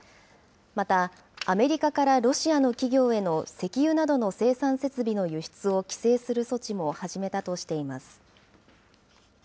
また、アメリカからロシアの企業への石油などの生産設備の輸出を規制する措置も始めたとしています。